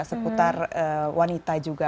seputar wanita juga